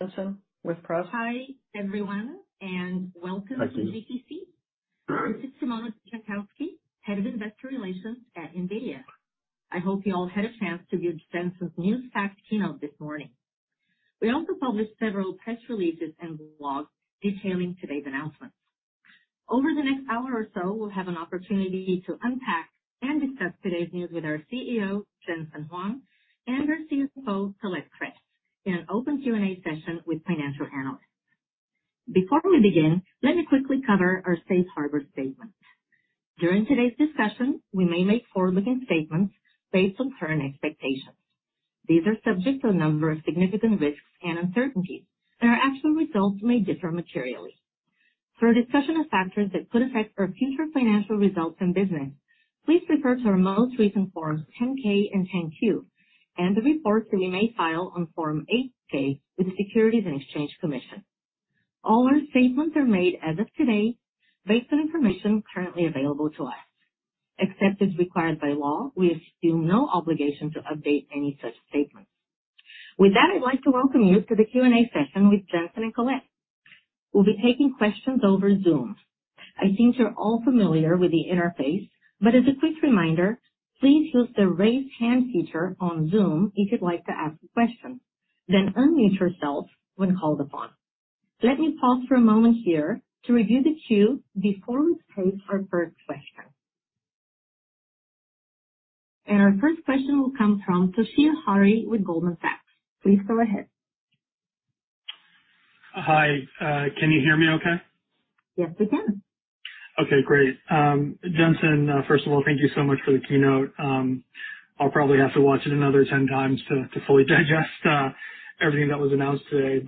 Session with press. Hi, everyone, and welcome to GTC. Hi. This is Simona Jankowski, Head of Investor Relations at NVIDIA. I hope you all had a chance to view Jensen Huang's new GTC keynote this morning. We also published several press releases and blogs detailing today's announcements. Over the next hour or so, we'll have an opportunity to unpack and discuss today's news with our CEO, Jensen Huang, and our CFO, Colette Kress, in an open Q&A session with financial analysts. Before we begin, let me quickly cover our safe harbor statement. During today's discussion, we may make forward-looking statements based on current expectations. These are subject to a number of significant risks and uncertainties, and our actual results may differ materially. For a discussion of factors that could affect our future financial results and business, please refer to our most recent Forms 10-K and 10-Q and the reports that we may file on Form 8-K with the Securities and Exchange Commission. All our statements are made as of today based on information currently available to us. Except as required by law, we assume no obligation to update any such statements. With that, I'd like to welcome you to the Q&A session with Jensen and Colette. We'll be taking questions over Zoom. I think you're all familiar with the interface, but as a quick reminder, please use the Raise Hand feature on Zoom if you'd like to ask a question, then unmute yourself when called upon. Let me pause for a moment here to review the queue before we pose our first question. Our first question will come from Toshiya Hari with Goldman Sachs. Please go ahead. Hi, can you hear me okay? Yes, we can. Okay, great. Jensen, first of all, thank you so much for the keynote. I'll probably have to watch it another 10 times to fully digest everything that was announced today.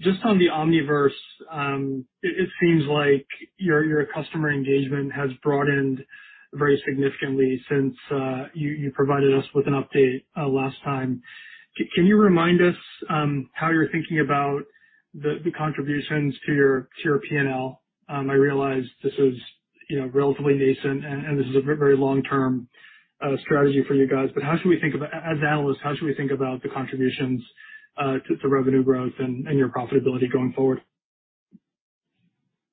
Just on the Omniverse, it seems like your customer engagement has broadened very significantly since you provided us with an update last time. Can you remind us how you're thinking about the contributions to your P&L? I realize this is, you know, relatively nascent and this is a very long-term strategy for you guys. As analysts, how should we think about the contributions to revenue growth and your profitability going forward?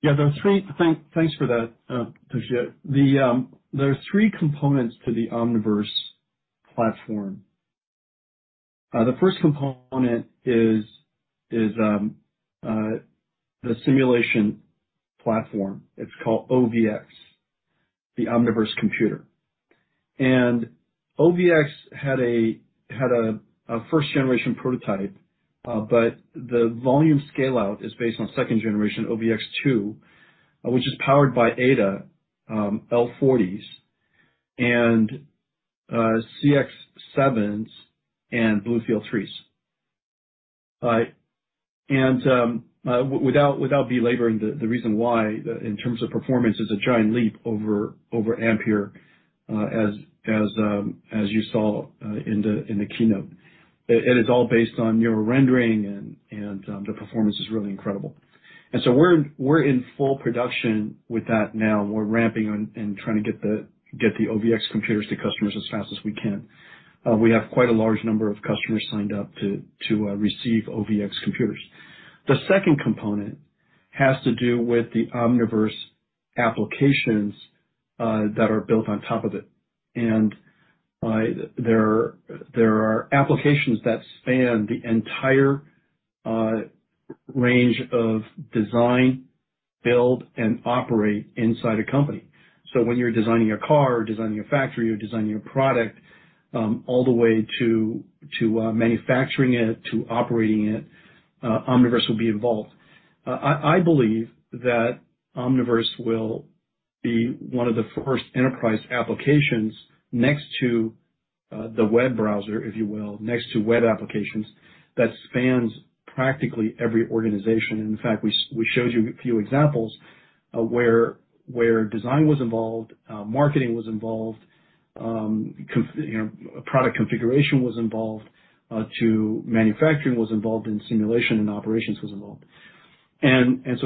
Yeah. Thanks for that, Toshiya. There are three components to the Omniverse platform. The first component is the simulation platform. It's called OVX, the Omniverse computer. OVX had a first generation prototype, but the volume scale-out is based on second generation OVX 2, which is powered by Ada, L40s and CX7s and BlueField 3s. Without belaboring the reason why, in terms of performance, it's a giant leap over Ampere, as you saw in the keynote. It is all based on neural rendering and the performance is really incredible. We're in full production with that now, and we're ramping and trying to get the OVX computers to customers as fast as we can. We have quite a large number of customers signed up to receive OVX computers. The second component has to do with the Omniverse applications that are built on top of it. There are applications that span the entire range of design, build, and operate inside a company. When you're designing a car or designing a factory or designing a product, all the way to manufacturing it, to operating it, Omniverse will be involved. I believe that Omniverse will be one of the first enterprise applications next to the web browser, if you will, next to web applications, that spans practically every organization. In fact, we showed you a few examples of where design was involved, marketing was involved, you know, product configuration was involved, to manufacturing was involved, and simulation and operations was involved.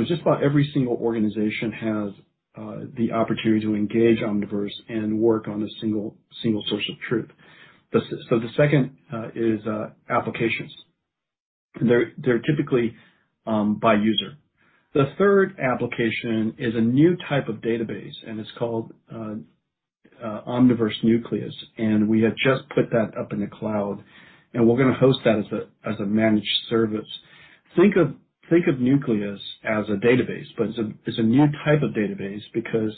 Just about every single organization has the opportunity to engage Omniverse and work on a single source of truth. The second is applications. They're typically by user. The third application is a new type of database, and it's called Omniverse Nucleus, and we have just put that up in the cloud, and we're gonna host that as a managed service. Think of Nucleus as a database, but it's a new type of database because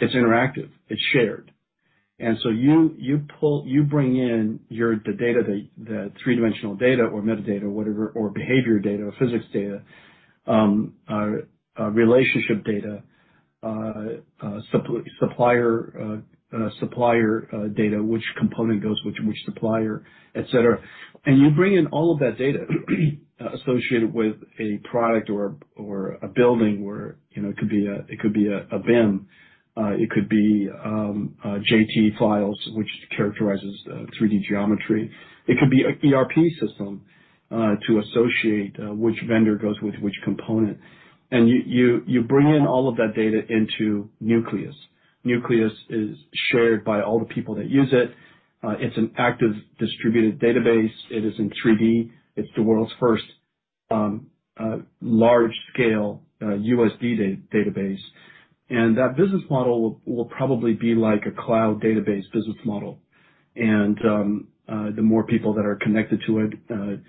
it's interactive, it's shared. You bring in the data, the three-dimensional data or metadata, whatever, or behavior data or physics data, relationship data, supplier data, which component goes with which supplier, et cetera. You bring in all of that data associated with a product or a building where, you know, it could be a BIM. It could be JT files, which characterizes 3D geometry. It could be an ERP system to associate which vendor goes with which component. You bring in all of that data into Nucleus. Nucleus is shared by all the people that use it. It's an active distributed database. It is in 3D. It's the world's first large scale USD database. That business model will probably be like a cloud database business model. The more people that are connected to it,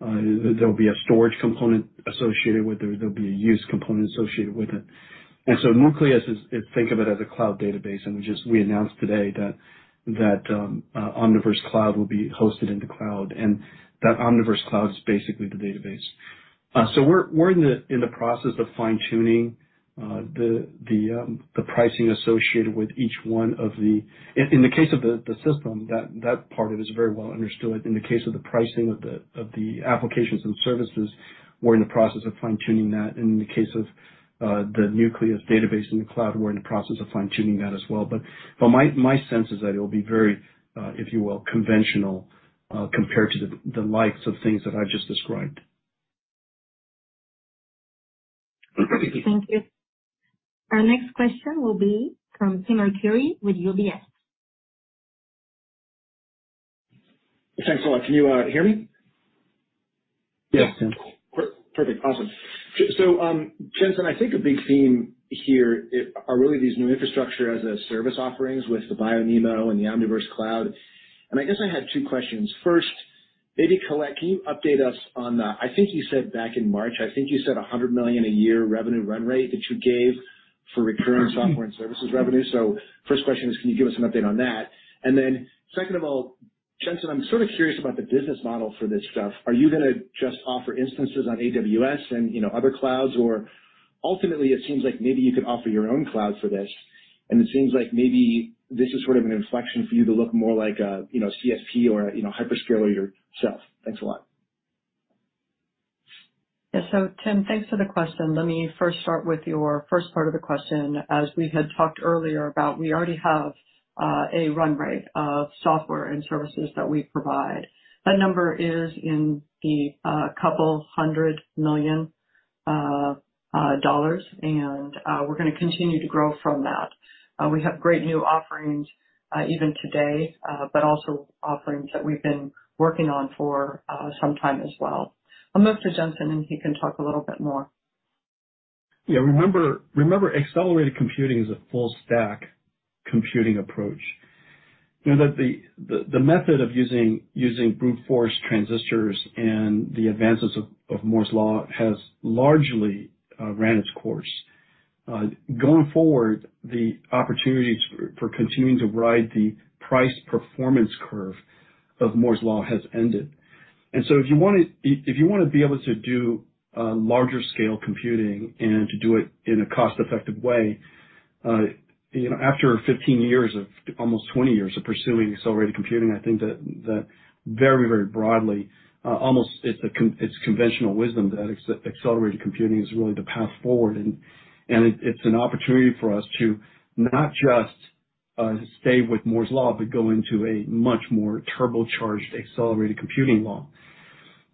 there'll be a storage component associated with it, there'll be a use component associated with it. Nucleus is. Think of it as a cloud database, and we just we announced today that Omniverse Cloud will be hosted in the cloud, and that Omniverse Cloud is basically the database. We're in the process of fine-tuning the pricing associated with each one of the. In the case of the system, that part of it is very well understood. In the case of the pricing of the applications and services, we're in the process of fine-tuning that. In the case of, the Nucleus database in the cloud, we're in the process of fine-tuning that as well. But my sense is that it will be very, if you will, conventional, compared to the likes of things that I've just described. Thank you. Our next question will be from Tim Arcuri with UBS. Thanks a lot. Can you hear me? Yes, Tim. Perfect. Awesome. So, Jensen, I think a big theme here are really these new infrastructure as a service offerings with the BioNeMo and the Omniverse Cloud. I guess I had two questions. First, maybe Colette, can you update us on, I think you said back in March, I think you said $100 million a year revenue run rate that you gave for recurring software and services revenue. First question is, can you give us an update on that? Then, second of all, Jensen, I'm sort of curious about the business model for this stuff. Are you gonna just offer instances on AWS and, you know, other clouds? Ultimately, it seems like maybe you could offer your own cloud for this, and it seems like maybe this is sort of an inflection for you to look more like a, you know, CSP or, you know, hyperscaler yourself. Thanks a lot. Yeah. Tim, thanks for the question. Let me first start with your first part of the question. As we had talked earlier about, we already have a run rate of software and services that we provide. That number is in the $200 million, and we're gonna continue to grow from that. We have great new offerings even today, but also offerings that we've been working on for some time as well. I'll move to Jensen, and he can talk a little bit more. Yeah. Remember accelerated computing is a full stack computing approach. You know, the method of using brute force transistors and the advances of Moore's Law has largely ran its course. Going forward, the opportunities for continuing to ride the price performance curve of Moore's Law has ended. If you wanna be able to do larger scale computing and to do it in a cost effective way, you know, after 15 years of, almost 20 years of pursuing accelerated computing, I think that very broadly, almost it's conventional wisdom that accelerated computing is really the path forward. It's an opportunity for us to not just stay with Moore's Law, but go into a much more turbocharged accelerated computing law.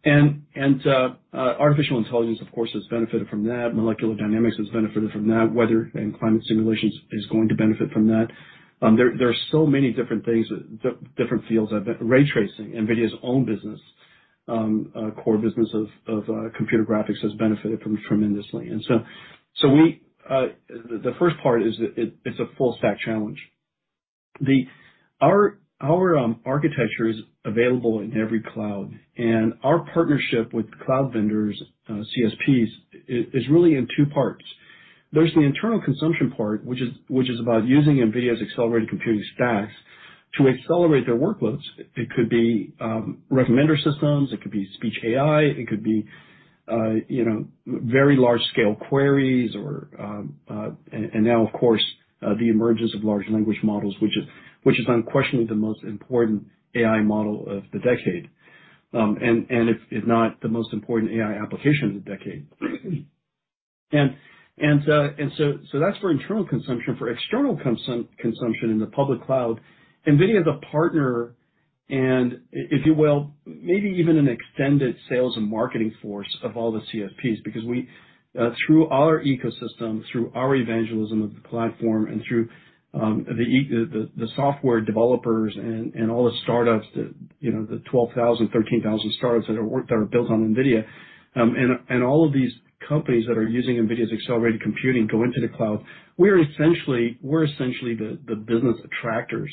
Artificial intelligence, of course, has benefited from that. Molecular dynamics has benefited from that. Weather and climate simulations is going to benefit from that. Ray tracing, NVIDIA's own business, core business of computer graphics has benefited from it tremendously. The first part is, it's a full stack challenge. Our architecture is available in every cloud, and our partnership with cloud vendors, CSPs, is really in two parts. There's the internal consumption part, which is about using NVIDIA's accelerated computing stacks to accelerate their workloads. It could be recommender systems, it could be speech AI, it could be you know, very large scale queries or. Now, of course, the emergence of large language models, which is unquestionably the most important AI model of the decade. That's for internal consumption. For external consumption in the public cloud, NVIDIA is a partner and, if you will, maybe even an extended sales and marketing force of all the CSPs because we, through our ecosystem, through our evangelism of the platform and through the software developers and all the startups that, you know, the 12,000, 13,000 startups that are built on NVIDIA, and all of these companies that are using NVIDIA's accelerated computing go into the cloud, we're essentially the business attractors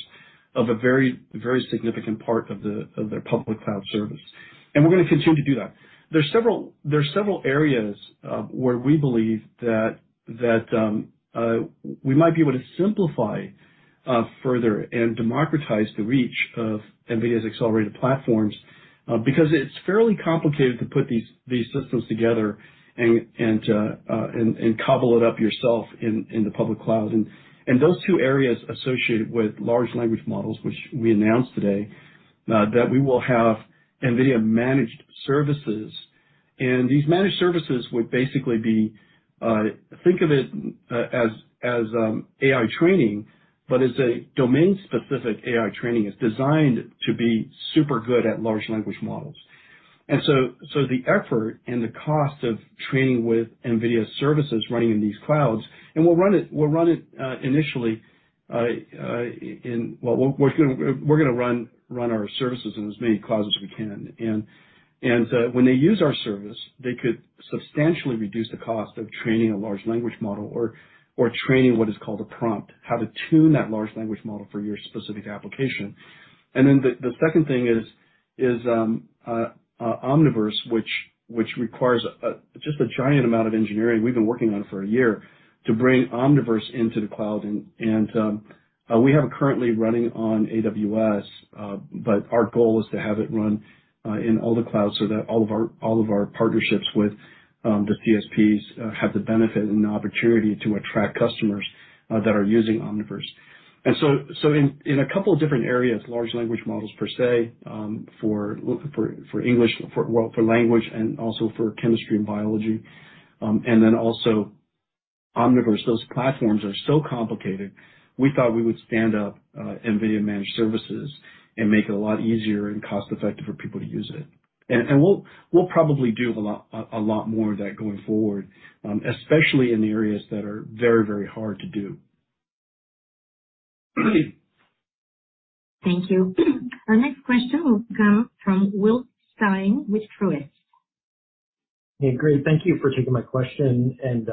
of a very significant part of their public cloud service. We're gonna continue to do that. There are several areas where we believe that we might be able to simplify further and democratize the reach of NVIDIA's accelerated platforms because it's fairly complicated to put these systems together and cobble it up yourself in the public cloud. Those two areas associated with large language models, which we announced today that we will have NVIDIA Managed Services. These managed services would basically be, think of it as AI training, but as a domain-specific AI training. It's designed to be super good at large language models. The effort and the cost of training with NVIDIA services running in these clouds, and we'll run it initially. We're gonna run our services in as many clouds as we can. When they use our service, they could substantially reduce the cost of training a large language model or training what is called a prompt, how to tune that large language model for your specific application. The second thing is Omniverse, which requires just a giant amount of engineering we've been working on for a year to bring Omniverse into the cloud and we have it currently running on AWS, but our goal is to have it run in all the clouds so that all of our partnerships with the CSPs have the benefit and the opportunity to attract customers that are using Omniverse. In a couple different areas, large language models per se, for English, well, for language and also for chemistry and biology, and then also Omniverse, those platforms are so complicated we thought we would stand up NVIDIA Managed Services and make it a lot easier and cost-effective for people to use it. We'll probably do a lot more of that going forward, especially in the areas that are very hard to do. Thank you. Our next question will come from Will Stein with Truist. Yeah. Great. Thank you for taking my question, and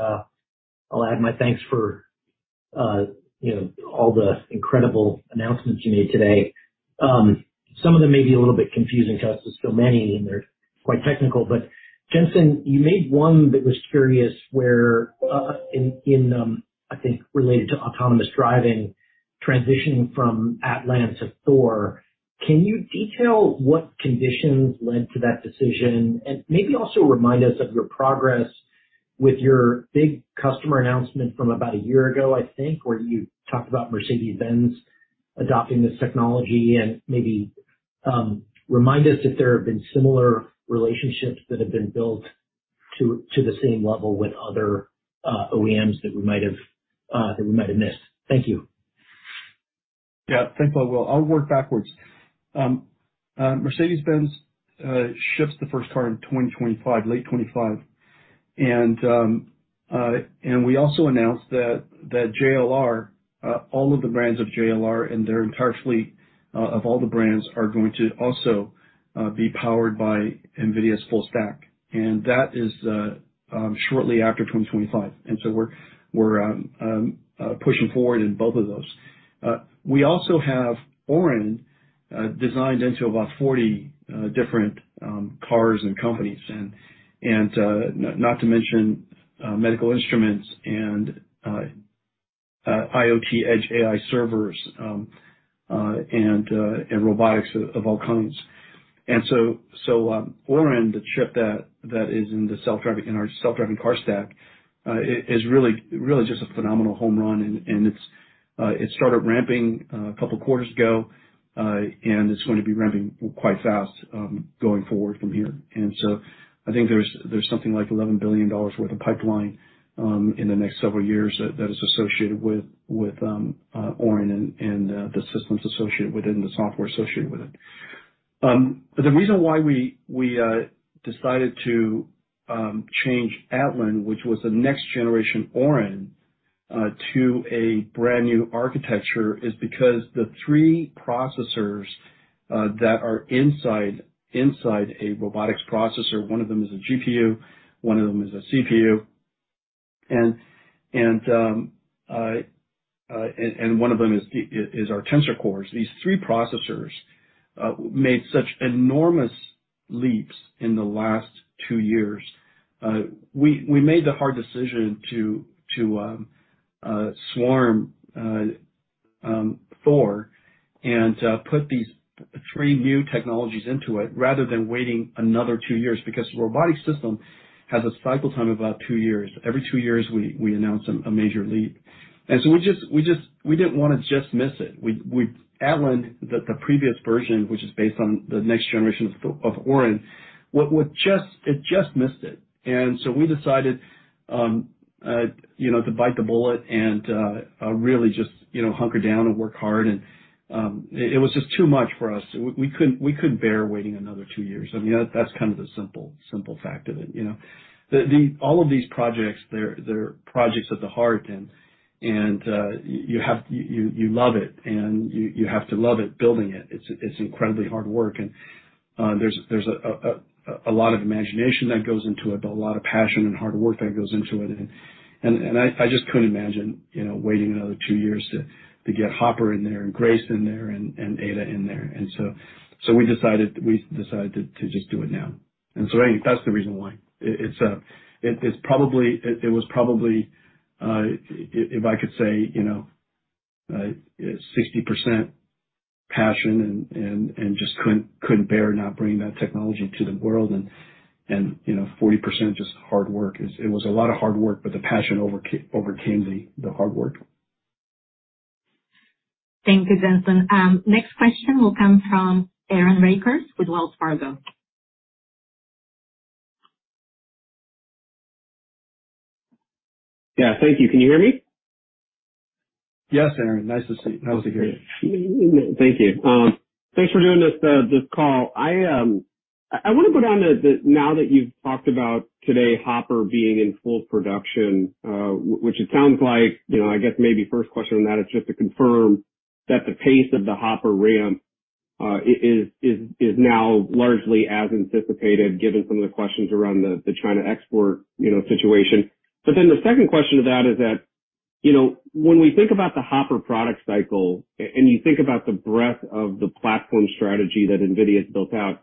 I'll add my thanks for you know, all the incredible announcements you made today. Some of them may be a little bit confusing to us. There's so many, and they're quite technical. Jensen, you made one that was curious where in I think related to autonomous driving, transitioning from Atlan to Thor. Can you detail what conditions led to that decision? And maybe also remind us of your progress with your big customer announcement from about a year ago, I think, where you talked about Mercedes-Benz adopting this technology. And maybe remind us if there have been similar relationships that have been built to the same level with other OEMs that we might have missed. Thank you. Yeah. Thanks a lot, Will. I'll work backwards. Mercedes-Benz ships the first car in 2025, late 2025. We also announced that JLR, all of the brands of JLR and their entire fleet of all the brands are going to also be powered by NVIDIA's full stack. That is shortly after 2025. We're pushing forward in both of those. We also have Orin designed into about 40 different cars and companies and not to mention medical instruments and IoT Edge AI servers and robotics of all kinds. Orin, the chip that is in the self-driving car stack, is really just a phenomenal home run, and it started ramping a couple quarters ago, and it's going to be ramping quite fast, going forward from here. I think there's something like $11 billion worth of pipeline in the next several years that is associated with Orin and the systems associated with it and the software associated with it. The reason why we decided to change Atlan, which was the next generation Orin, to a brand-new architecture is because the three processors that are inside a robotics processor, one of them is a GPU, one of them is a CPU, and one of them is our Tensor Cores. These three processors made such enormous leaps in the last two years. We made the hard decision to Thor and put these three new technologies into it rather than waiting another two years because the robotics system has a cycle time of about two years. Every two years, we announce a major leap. We just didn't wanna just miss it. Atlan, the previous version, which is based on the next generation of Orin, it just missed it. We decided, you know, to bite the bullet and really just, you know, hunker down and work hard and it was just too much for us. We couldn't bear waiting another two years. I mean, that's kind of the simple fact of it, you know. All of these projects, they're projects at the heart and you have to love it, building it. It's incredibly hard work and there's a lot of imagination that goes into it, a lot of passion and hard work that goes into it. I just couldn't imagine, you know, waiting another two years to get Hopper in there and Grace in there and Ada in there. We decided to just do it now. That's the reason why. It was probably, if I could say, you know, 60% passion and just couldn't bear not bringing that technology to the world and, you know, 40% just hard work. It was a lot of hard work, but the passion overcame the hard work. Thank you, Jensen. Next question will come from Aaron Rakers with Wells Fargo. Yeah. Thank you. Can you hear me? Yes, Aaron. Nice to see, nice to hear you. Thank you. Thanks for doing this call. I wanna go down the now that you've talked about today Hopper being in full production, which it sounds like, you know, I guess maybe first question on that is just to confirm that the pace of the Hopper ramp is now largely as anticipated given some of the questions around the China export situation. The second question to that is that, you know, when we think about the Hopper product cycle and you think about the breadth of the platform strategy that NVIDIA's built out,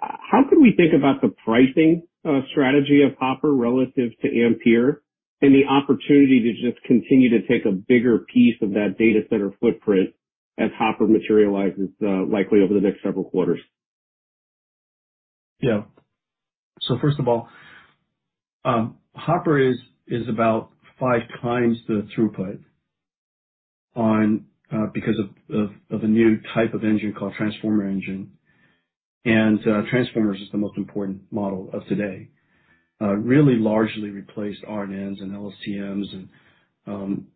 how can we think about the pricing strategy of Hopper relative to Ampere and the opportunity to just continue to take a bigger piece of that data center footprint as Hopper materializes likely over the next several quarters? Yeah. First of all, Hopper is about five times the throughput because of a new type of engine called Transformer Engine. Transformers is the most important model of today. Really largely replaced RNNs and LSTMs and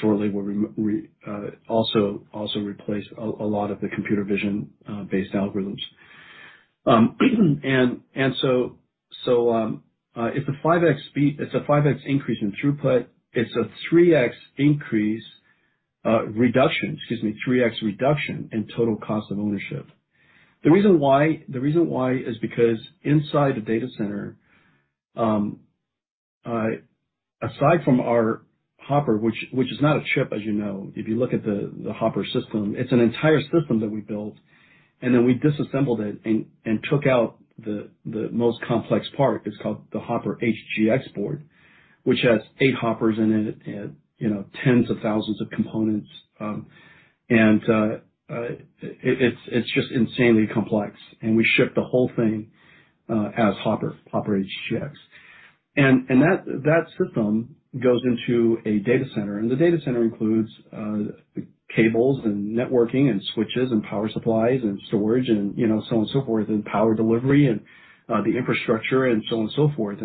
shortly will also replace a lot of the computer vision-based algorithms. It's a 5x increase in throughput. It's a 3x reduction in total cost of ownership. The reason why is because inside the data center, aside from our Hopper, which is not a chip, as you know, if you look at the Hopper system, it's an entire system that we built, and then we disassembled it and took out the most complex part. It's called the HGX H100 board, which has eight Hoppers in it and, you know, tens of thousands of components. And it's just insanely complex, and we ship the whole thing as Hopper, HGX H100. That system goes into a data center, and the data center includes cables and networking and switches and power supplies and storage and, you know, so on and so forth, and power delivery and the infrastructure and so on and so forth.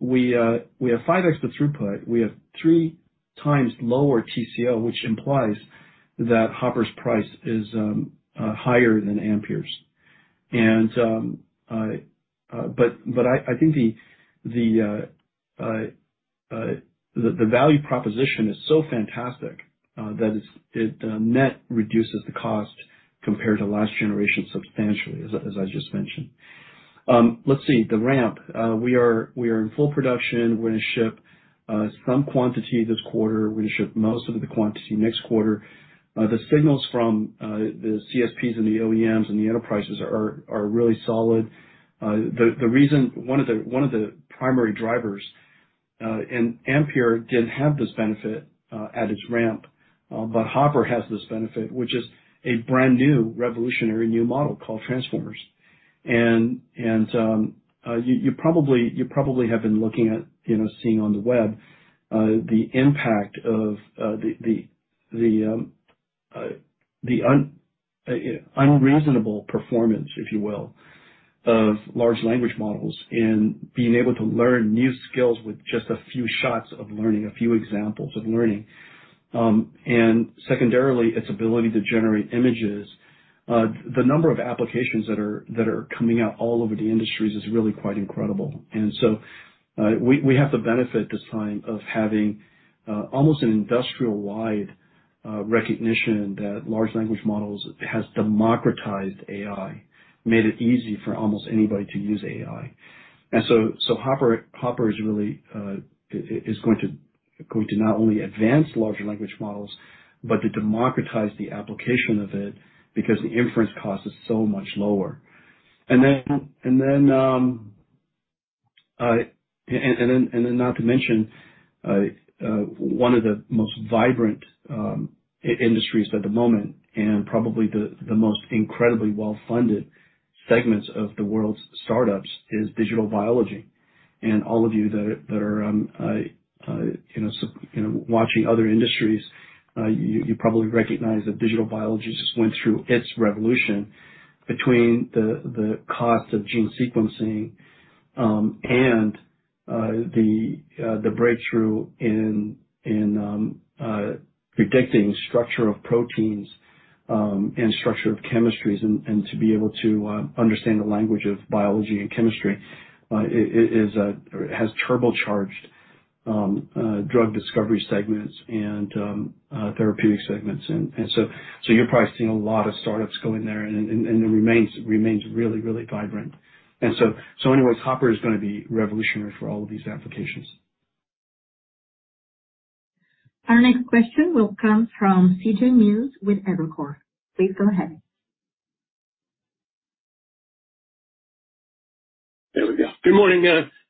We have 5x the throughput. We have 3 times lower TCO, which implies that Hopper's price is higher than Ampere's. I think the value proposition is so fantastic that it net reduces the cost compared to last generation substantially, as I just mentioned. Let's see. The ramp. We are in full production. We're gonna ship some quantity this quarter. We're gonna ship most of the quantity next quarter. The signals from the CSPs and the OEMs and the enterprises are really solid. One of the primary drivers, and Ampere did have this benefit at its ramp, but Hopper has this benefit, which is a brand-new revolutionary new model called Transformers. You probably have been looking at, you know, seeing on the web the impact of the unreasonable performance, if you will, of large language models and being able to learn new skills with just a few shots of learning, a few examples of learning. Secondarily, its ability to generate images. The number of applications that are coming out all over the industries is really quite incredible. We have the benefit this time of having almost an industry-wide recognition that large language models have democratized AI, made it easy for almost anybody to use AI. Hopper is really going to not only advance large language models, but to democratize the application of it because the inference cost is so much lower. Then not to mention one of the most vibrant industries at the moment, and probably the most incredibly well-funded segments of the world's startups is digital biology. All of you that are you know watching other industries, you probably recognize that digital biology just went through its revolution between the cost of gene sequencing and the breakthrough in predicting structure of proteins and structure of chemistries and to be able to understand the language of biology and chemistry has turbocharged drug discovery segments and therapeutic segments. You're probably seeing a lot of startups go in there and it remains really vibrant. Anyways, Hopper is gonna be revolutionary for all of these applications. Our next question will come from C.J. Muse with Evercore. Please go ahead. There we go. Good morning.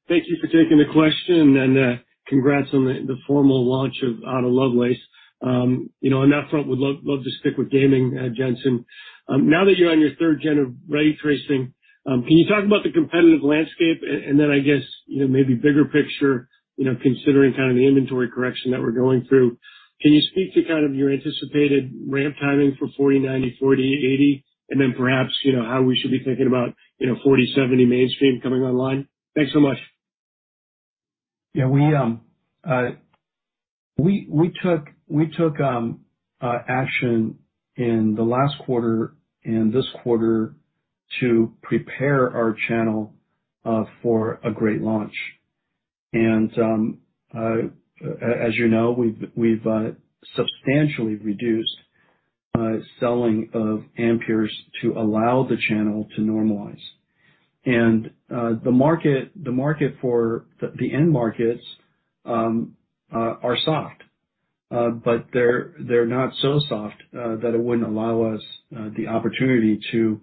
Thank you for taking the question and, congrats on the formal launch of Ada Lovelace. You know, on that front, would love to stick with gaming, Jensen. Now that you're on your third gen of ray tracing, can you talk about the competitive landscape? I guess, you know, maybe bigger picture, you know, considering kind of the inventory correction that we're going through, can you speak to kind of your anticipated ramp timing for 4090-4080, and then perhaps, you know, how we should be thinking about, you know, 4070 mainstream coming online? Thanks so much. Yeah, we took action in the last quarter and this quarter to prepare our channel for a great launch. As you know, we've substantially reduced selling of Ampere's to allow the channel to normalize. The market for the end markets are soft, but they're not so soft that it wouldn't allow us the opportunity to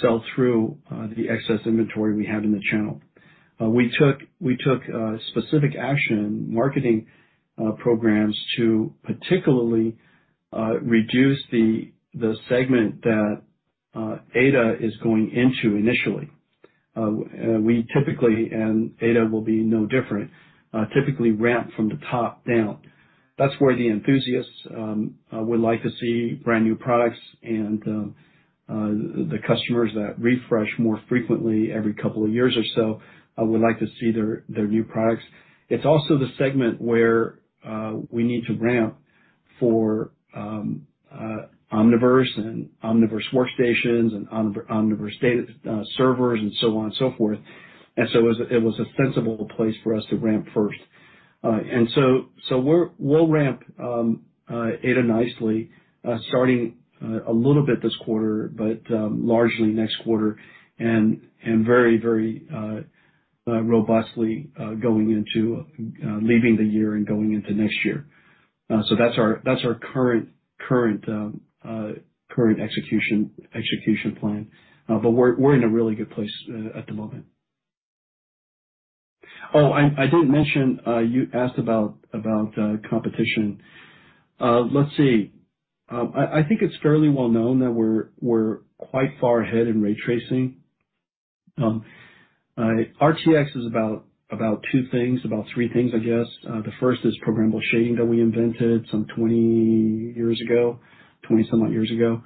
sell through the excess inventory we had in the channel. We took specific action marketing programs to particularly reduce the segment that Ada is going into initially. We typically, and Ada will be no different, typically ramp from the top down. That's where the enthusiasts would like to see brand-new products and the customers that refresh more frequently every couple of years or so would like to see their new products. It's also the segment where we need to ramp for Omniverse and Omniverse workstations and Omniverse data servers and so on and so forth. It was a sensible place for us to ramp first. We'll ramp Ada nicely, starting a little bit this quarter, but largely next quarter and very robustly going into leaving the year and going into next year. That's our current execution plan. We're in a really good place at the moment. I did mention you asked about competition. I think it's fairly well known that we're quite far ahead in ray tracing. RTX is about two things, three things, I guess. The first is programmable shading that we invented some 20-some-odd years ago.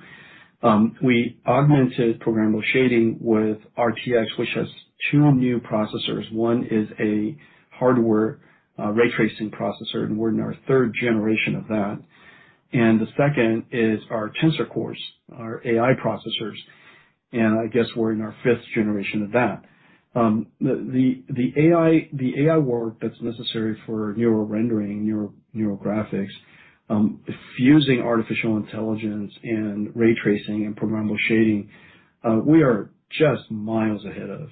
We augmented programmable shading with RTX, which has two new processors. One is a hardware ray tracing processor, and we're in our third generation of that. The second is our tensor cores, our AI processors, and I guess we're in our fifth generation of that. The AI work that's necessary for neural rendering, neural graphics, fusing artificial intelligence and ray tracing and programmable shading, we are just miles ahead of.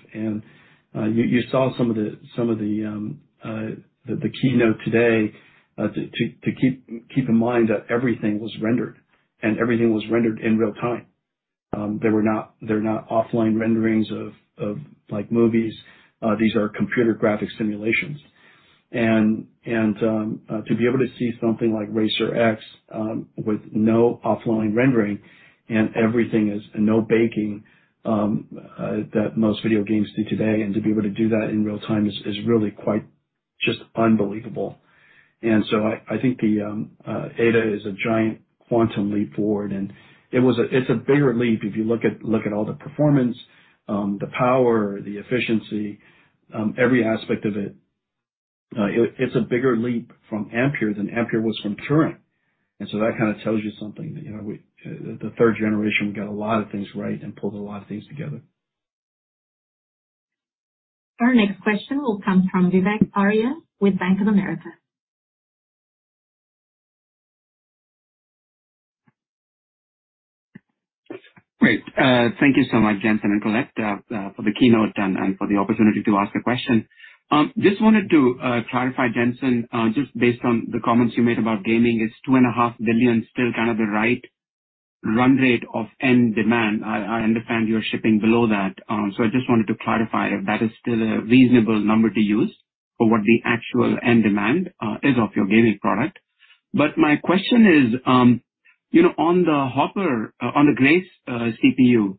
You saw some of the keynote today. To keep in mind that everything was rendered in real time. They were not, they're not offline renderings of like movies. These are computer graphic simulations. To be able to see something like Racer X with no offline rendering and everything is no baking that most video games do today, and to be able to do that in real time is really quite just unbelievable. I think the Ada is a giant quantum leap forward, and it's a bigger leap if you look at all the performance, the power, the efficiency, every aspect of it. It's a bigger leap from Ampere than Ampere was from Turing. That kind of tells you something that, you know, we the third generation, we got a lot of things right and pulled a lot of things together. Our next question will come from Vivek Arya with Bank of America. Great. Thank you so much, Jensen and Colette, for the keynote and for the opportunity to ask a question. Just wanted to clarify, Jensen, just based on the comments you made about gaming. Is $2.5 billion still kind of the right run rate of end demand? I understand you're shipping below that, so I just wanted to clarify if that is still a reasonable number to use for what the actual end demand is of your gaming product. My question is, you know, on the Hopper, on the Grace CPU,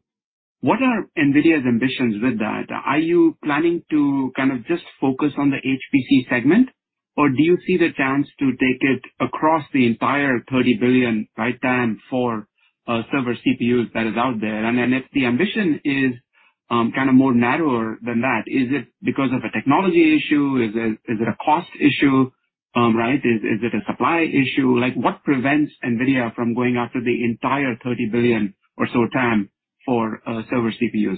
what are NVIDIA's ambitions with that? Are you planning to kind of just focus on the HPC segment, or do you see the chance to take it across the entire $30 billion, right, TAM for server CPUs that is out there? If the ambition is kind of more narrower than that, is it because of a technology issue? Is it a cost issue, right? Is it a supply issue? Like, what prevents NVIDIA from going after the entire $30 billion or so TAM for server CPUs?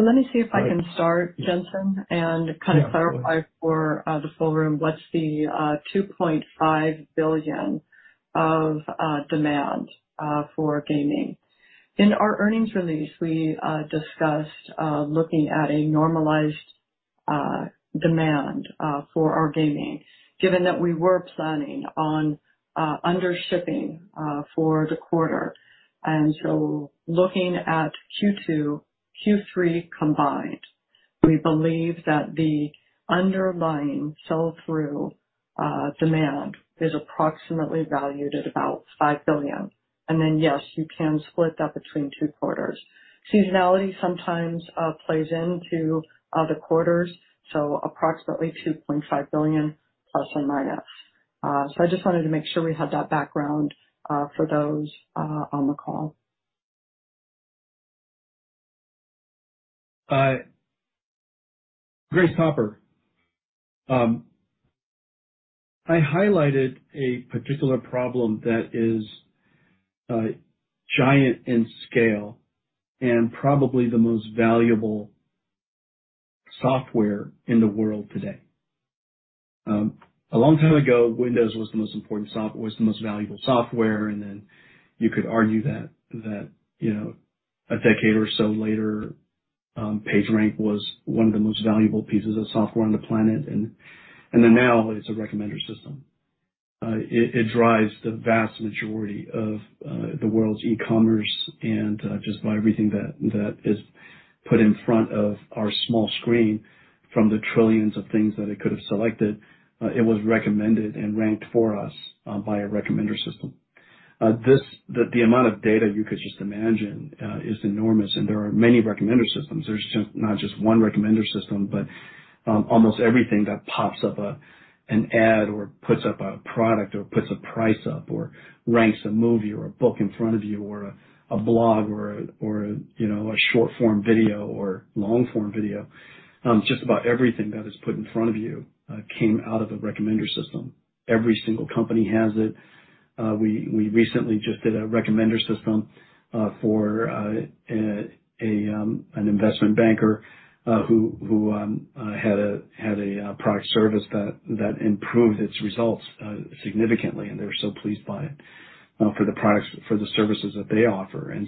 Let me see if I can start, Jensen, and kind of clarify for the full room what's the $2.5 billion of demand for gaming. In our earnings release, we discussed looking at a normalized demand for our gaming, given that we were planning on undershipping for the quarter. Looking at Q2, Q3 combined, we believe that the underlying sell-through demand is approximately valued at about $5 billion. Then, yes, you can split that between two quarters. Seasonality sometimes plays into the quarters, so approximately $2.5 billion plus or minus. I just wanted to make sure we had that background for those on the call. Grace Hopper. I highlighted a particular problem that is giant in scale and probably the most valuable software in the world today. A long time ago, Windows was the most valuable software, and then you could argue that you know, a decade or so later, PageRank was one of the most valuable pieces of software on the planet. Now it's a recommender system. It drives the vast majority of the world's e-commerce and just about everything that is put in front of our small screen from the trillions of things that it could have selected, it was recommended and ranked for us by a recommender system. The amount of data you could just imagine is enormous, and there are many recommender systems. There's just not just one recommender system, but almost everything that pops up an ad or puts up a product or puts a price up or ranks a movie or a book in front of you or a blog or, you know, a short form video or long form video, just about everything that is put in front of you came out of a recommender system. Every single company has it. We recently just did a recommender system for an investment banker who had a product service that improved its results significantly, and they were so pleased by it for the products, for the services that they offer. In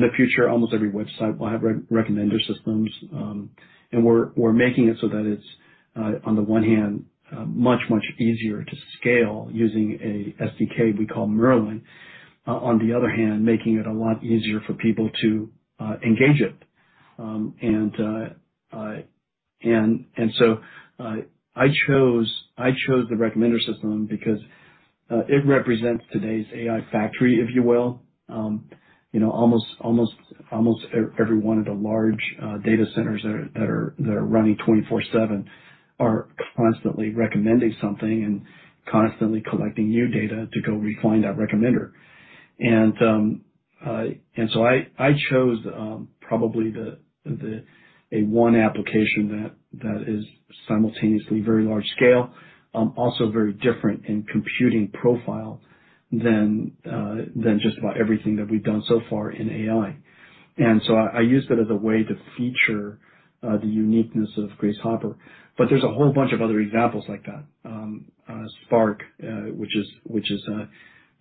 the future, almost every website will have recommender systems. We're making it so that it's on the one hand much easier to scale using an SDK we call Merlin. On the other hand, making it a lot easier for people to engage it. I chose the recommender system because it represents today's AI factory, if you will. You know, almost every one of the large data centers that are running 24/7 are constantly recommending something and constantly collecting new data to go refine that recommender. I chose probably the one application that is simultaneously very large scale, also very different in computing profile than just about everything that we've done so far in AI. I used it as a way to feature the uniqueness of Grace Hopper. There's a whole bunch of other examples like that. Spark, which is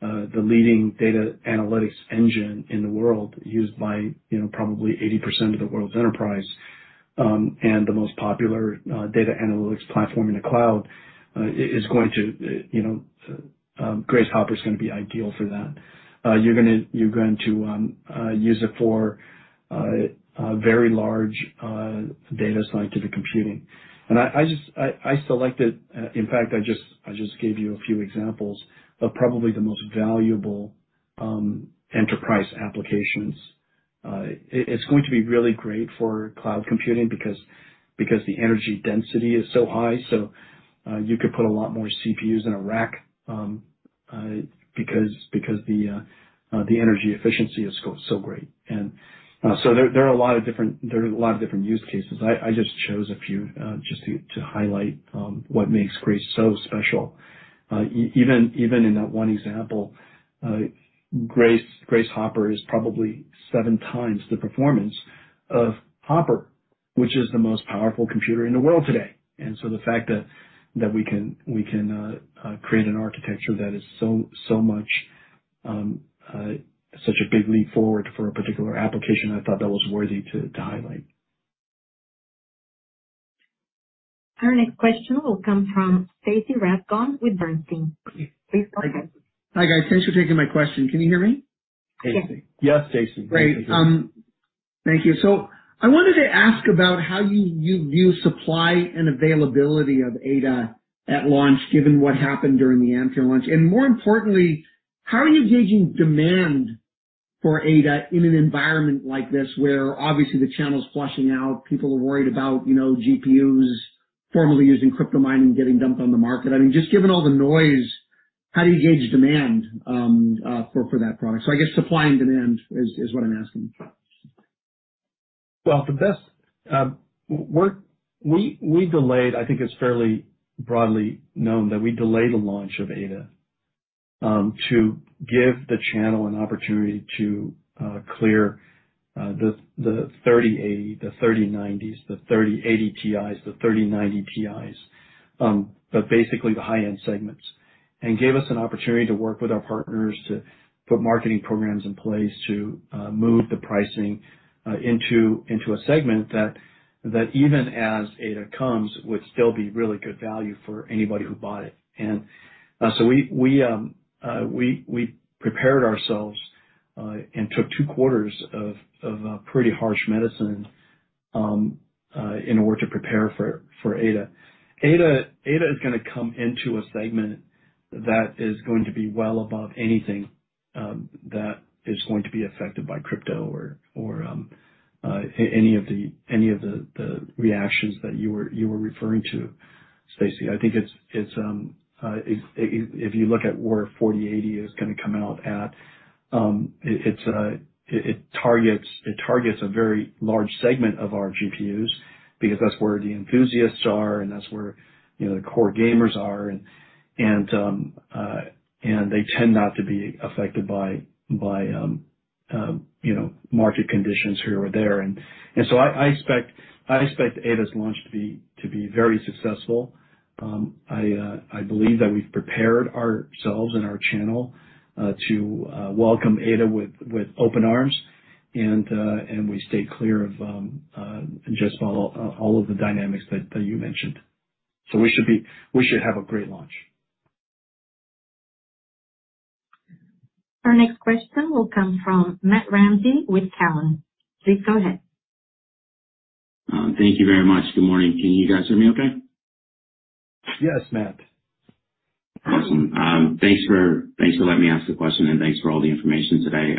the leading data analytics engine in the world, used by, you know, probably 80% of the world's enterprise, and the most popular data analytics platform in the cloud, is going to, you know, Grace Hopper is gonna be ideal for that. You're going to use it for very large data science computing. I just selected, in fact, I just gave you a few examples of probably the most valuable enterprise applications. It's going to be really great for cloud computing because the energy density is so high, so you could put a lot more CPUs in a rack, because the energy efficiency is so great. There are a lot of different use cases. I just chose a few, just to highlight what makes Grace so special. Even in that one example, Grace Hopper is probably seven times the performance of Hopper, which is the most powerful computer in the world today. The fact that we can create an architecture that is so much such a big leap forward for a particular application, I thought that was worthy to highlight. Our next question will come from Stacy Rasgon with Bernstein. Please go ahead. Hi, guys. Thanks for taking my question. Can you hear me? Stacy. Yes. Yes, Stacy. Great. Thank you. I wanted to ask about how you view supply and availability of Ada at launch, given what happened during the Ampere launch. More importantly, how are you gauging demand for Ada in an environment like this, where obviously the channel's flushing out, people are worried about, you know, GPUs formerly used in crypto mining getting dumped on the market. I mean, just given all the noise, how do you gauge demand for that product? I guess supply and demand is what I'm asking. We delayed. I think it's fairly broadly known that we delayed the launch of Ada to give the channel an opportunity to clear the 30s, the 3090s, the 3080 Ti's, the 3090 Ti's, but basically the high-end segments, and gave us an opportunity to work with our partners to put marketing programs in place to move the pricing into a segment that even as Ada comes would still be really good value for anybody who bought it. We prepared ourselves and took two quarters of pretty harsh medicine in order to prepare for Ada. Ada is gonna come into a segment that is going to be well above anything that is going to be affected by crypto or any of the reactions that you were referring to, Stacy. I think it's if you look at where 4080 is gonna come out at, it targets a very large segment of our GPUs because that's where the enthusiasts are and that's where, you know, the core gamers are. And they tend not to be affected by, you know, market conditions here or there. And so I expect Ada's launch to be very successful. I believe that we've prepared ourselves and our channel to welcome Ada with open arms and we stay clear of just all of the dynamics that you mentioned. We should have a great launch. Our next question will come from Matt Ramsay with Cowen. Please go ahead. Thank you very much. Good morning. Can you guys hear me okay? Yes, Matt. Awesome. Thanks for letting me ask the question, and thanks for all the information today.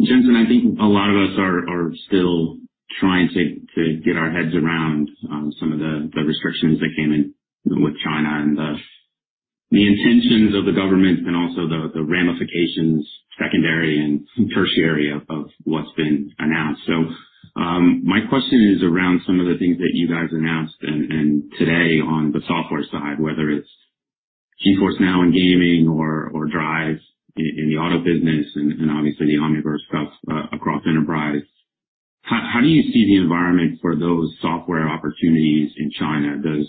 Jensen, I think a lot of us are still trying to get our heads around some of the restrictions that came in with China and the intentions of the government and also the ramifications, secondary and tertiary, of what's been announced. My question is around some of the things that you guys announced and today on the software side, whether it's GeForce NOW in gaming or DRIVE in the auto business and obviously the Omniverse across enterprise, how do you see the environment for those software opportunities in China? Does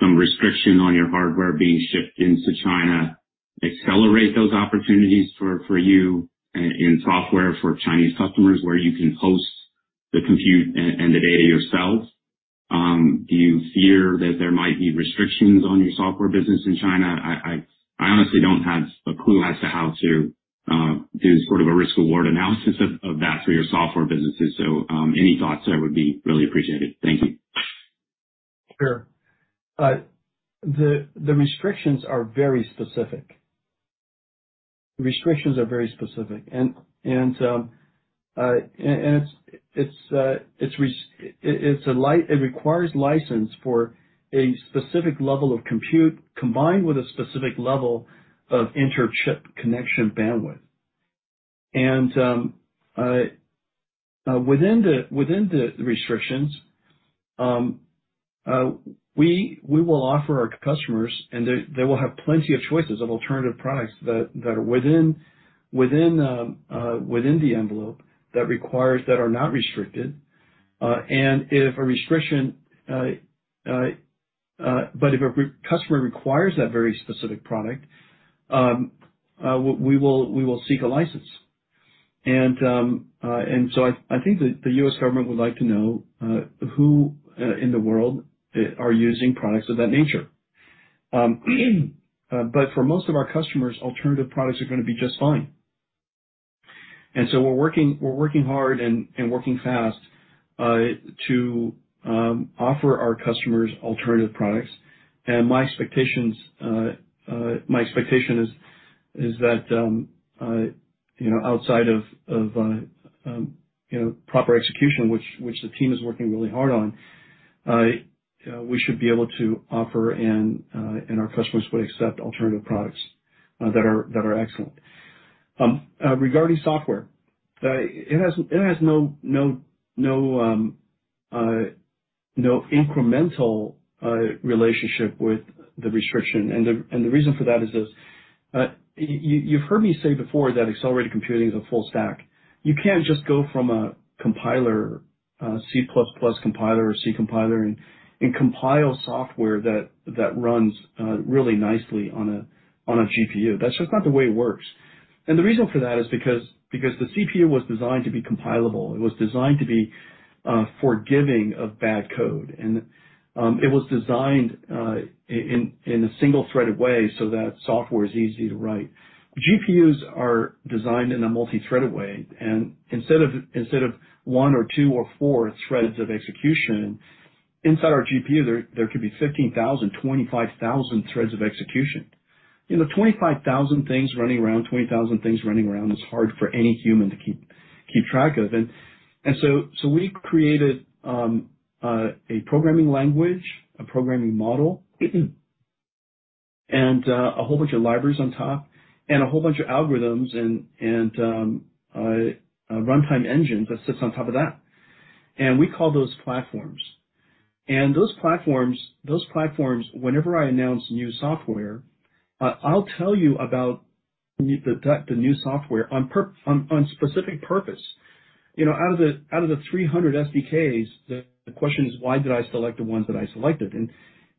some restriction on your hardware being shipped into China accelerate those opportunities for you in software for Chinese customers, where you can host the compute and the data yourself? Do you fear that there might be restrictions on your software business in China? I honestly don't have a clue as to how to do sort of a risk/reward analysis of that for your software businesses. Any thoughts there would be really appreciated. Thank you. Sure. The restrictions are very specific. It requires license for a specific level of compute combined with a specific level of interchip connection bandwidth. Within the restrictions, we will offer our customers, and they will have plenty of choices of alternative products that are within the envelope, that are not restricted. If a customer requires that very specific product, we will seek a license. I think that the US government would like to know who in the world are using products of that nature. For most of our customers, alternative products are gonna be just fine. We're working hard and working fast to offer our customers alternative products. My expectation is that you know, outside of you know, proper execution, which the team is working really hard on, we should be able to offer and our customers would accept alternative products that are excellent. Regarding software, it has no incremental relationship with the restriction. The reason for that is this. You've heard me say before that accelerated computing is a full stack. You can't just go from a compiler, C plus plus compiler or C compiler and compile software that runs really nicely on a GPU. That's just not the way it works. The reason for that is because the CPU was designed to be compilable. It was designed to be forgiving of bad code. It was designed in a single-threaded way so that software is easy to write. GPUs are designed in a multi-threaded way, and instead of one or two or four threads of execution, inside our GPU, there could be 15,000, 25,000 threads of execution. You know, 25,000 things running around, 20,000 things running around is hard for any human to keep track of. We created a programming language, a programming model, and a whole bunch of libraries on top and a whole bunch of algorithms and a runtime engine that sits on top of that. We call those platforms. Those platforms, whenever I announce new software, I'll tell you about the new software on specific purpose. You know, out of the 300 SDKs, the question is, why did I select the ones that I selected?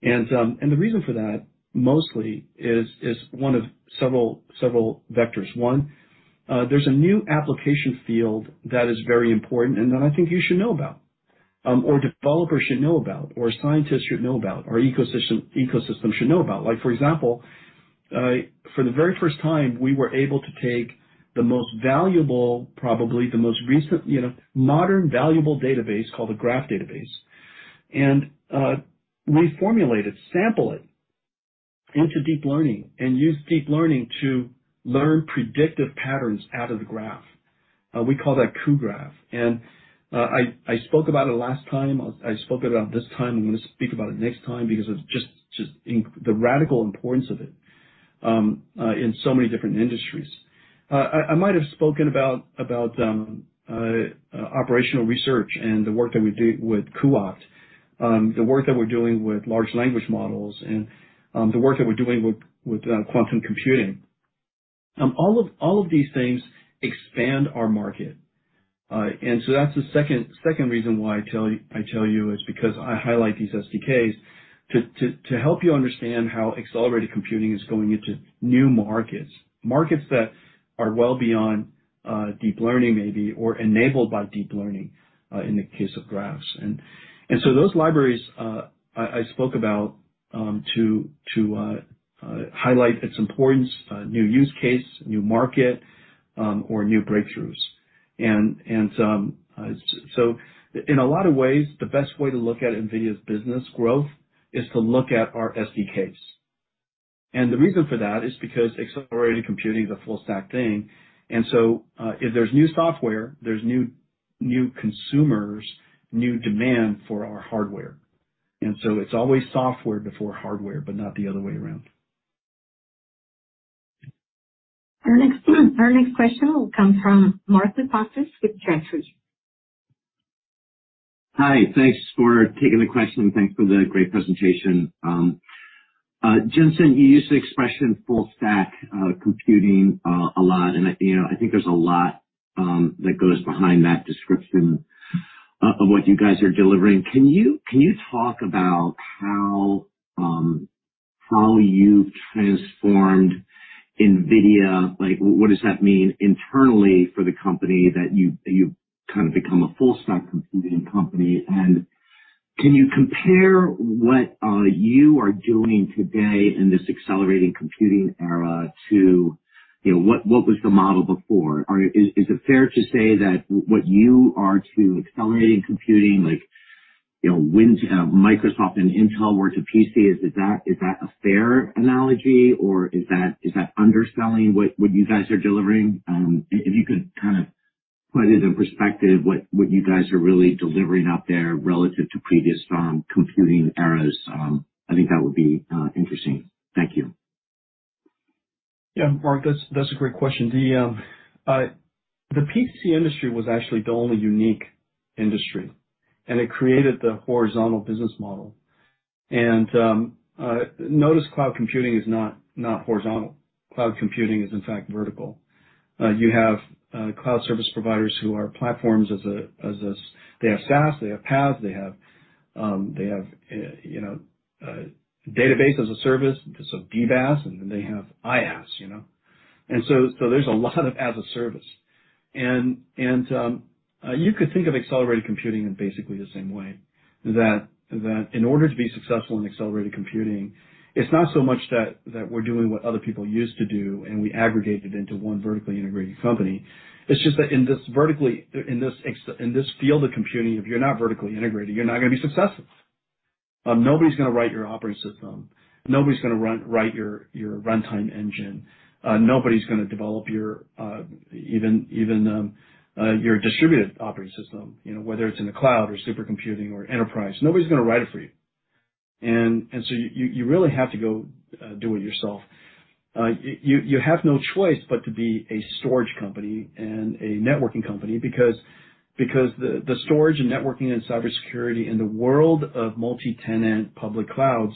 The reason for that mostly is one of several vectors. One, there's a new application field that is very important and that I think you should know about, or developers should know about or scientists should know about or ecosystems should know about. Like, for example, for the very first time, we were able to take the most valuable, probably the most recent, you know, modern, valuable database called a graph database, and reformulate it, sample it into deep learning and use deep learning to learn predictive patterns out of the graph. We call that cuGraph. I spoke about it last time. I spoke about it this time. I'm gonna speak about it next time because it's just the radical importance of it in so many different industries. I might have spoken about operational research and the work that we do with cuOpt, the work that we're doing with large language models and the work that we're doing with quantum computing. All of these things expand our market. That's the second reason why I tell you is because I highlight these SDKs to help you understand how accelerated computing is going into new markets that are well beyond deep learning maybe or enabled by deep learning in the case of graphs. In a lot of ways, the best way to look at NVIDIA's business growth is to look at our SDKs. The reason for that is because accelerated computing is a full stack thing, if there's new software, there's new consumers, new demand for our hardware. It's always software before hardware, but not the other way around. Our next question will come from Mark Lipacis with Jefferies. Hi. Thanks for taking the question and thanks for the great presentation. Jensen, you used the expression full stack computing a lot, and I, you know, I think there's a lot that goes behind that description of what you guys are delivering. Can you talk about how you transformed NVIDIA? Like, what does that mean internally for the company that you've kind of become a full stack computing company? Can you compare what you are doing today in this accelerated computing era to, you know, what was the model before? Is it fair to say that what you are to accelerated computing, like, you know, what Microsoft and Intel were to PC, is that a fair analogy, or is that underselling what you guys are delivering? If you could kind of put into perspective what you guys are really delivering out there relative to previous computing eras, I think that would be interesting. Thank you. Yeah. Mark, that's a great question. The PC industry was actually the only unique industry, and it created the horizontal business model. Notice cloud computing is not horizontal. Cloud computing is in fact vertical. You have cloud service providers who are platforms as a service. They have SaaS, they have PaaS, they have database as a service, so DBaaS, and they have IaaS, you know. There's a lot of as a service. You could think of accelerated computing in basically the same way that in order to be successful in accelerated computing, it's not so much that we're doing what other people used to do, and we aggregated into one vertically integrated company. It's just that in this field of computing, if you're not vertically integrated, you're not gonna be successful. Nobody's gonna write your operating system. Nobody's gonna write your runtime engine. Nobody's gonna develop your, even your distributed operating system, you know, whether it's in the cloud or supercomputing or enterprise. Nobody's gonna write it for you. You really have to go do it yourself. You have no choice but to be a storage company and a networking company because the storage and networking and cybersecurity in the world of multi-tenant public clouds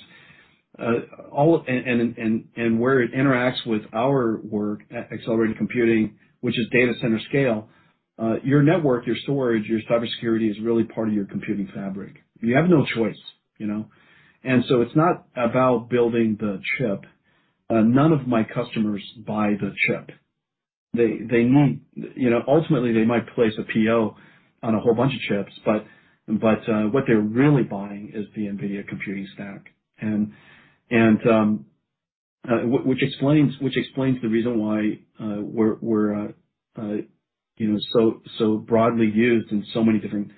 all where it interacts with our work at accelerated computing, which is data center scale, your network, your storage, your cybersecurity is really part of your computing fabric. You have no choice, you know? It's not about building the chip. None of my customers buy the chip. They need you know, ultimately, they might place a PO on a whole bunch of chips, but what they're really buying is the NVIDIA computing stack. Which explains the reason why we're you know, so broadly used in so many different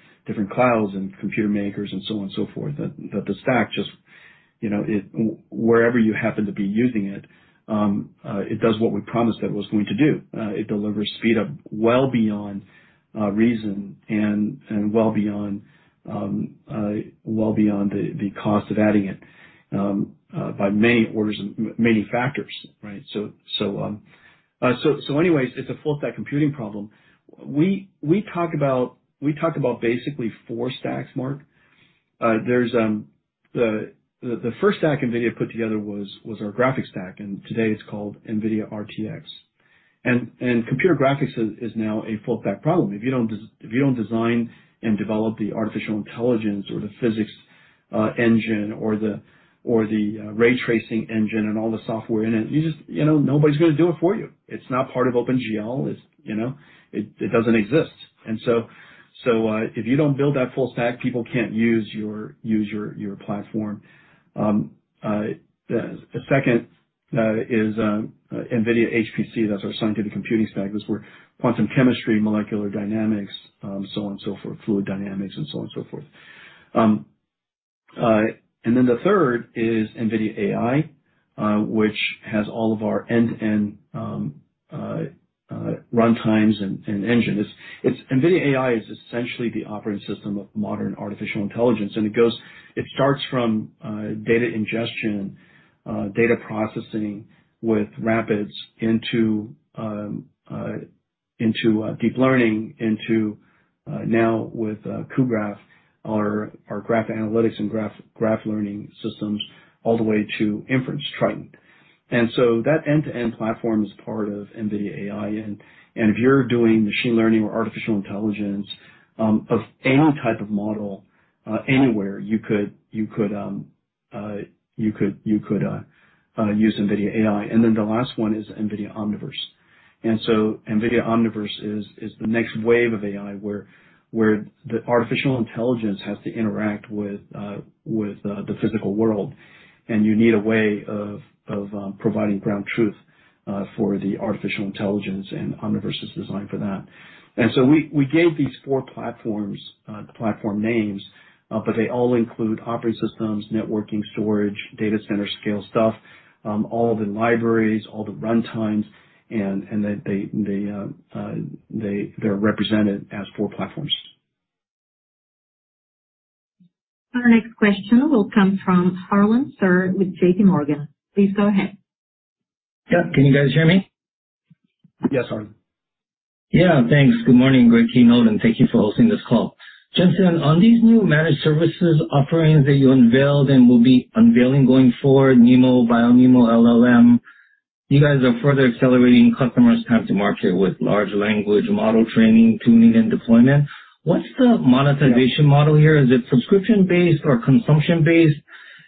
clouds and computer makers and so on and so forth, that the stack just you know, it, wherever you happen to be using it does what we promised it was going to do. It delivers speed up well beyond reason and well beyond the cost of adding it by many orders and many factors, right? Anyways, it's a full stack computing problem. We talk about basically four stacks, Mark. There's the first stack NVIDIA put together was our graphics stack, and today it's called NVIDIA RTX. Computer graphics is now a full stack problem. If you don't design and develop the artificial intelligence or the physics engine or the ray tracing engine and all the software in it. You just, you know, nobody's gonna do it for you. It's not part of OpenGL, you know, it doesn't exist. If you don't build that full stack, people can't use your platform. The second is NVIDIA HPC. That's our scientific computing stack. That's for quantum chemistry, molecular dynamics, so on and so forth, fluid dynamics and so on and so forth. Then the third is NVIDIA AI, which has all of our end-to-end runtimes and engine. NVIDIA AI is essentially the operating system of modern artificial intelligence, and it goes. It starts from data ingestion, data processing with RAPIDS into deep learning into now with cuGraph our graph analytics and graph learning systems, all the way to inference Triton. That end-to-end platform is part of NVIDIA AI, and if you're doing machine learning or artificial intelligence of any type of model anywhere, you could use NVIDIA AI. Then the last one is NVIDIA Omniverse. NVIDIA Omniverse is the next wave of AI where the artificial intelligence has to interact with the physical world, and you need a way of providing ground truth for the artificial intelligence and Omniverse is designed for that. We gave these four platforms platform names, but they all include operating systems, networking, storage, data center scale stuff, all the libraries, all the runtimes, and they're represented as four platforms. Our next question will come from Harlan Sur with J.P. Morgan. Please go ahead. Yeah. Can you guys hear me? Yes, Harlan. Yeah, thanks. Good morning. Great keynote, and thank you for hosting this call. Jensen, on these new managed services offerings that you unveiled and will be unveiling going forward, NeMo, BioNeMo, LLM, you guys are further accelerating customers' time to market with large language model training, tuning, and deployment. What's the Yeah. Monetization model here? Is it subscription-based or consumption-based?